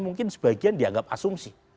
mungkin sebagian dianggap asumsi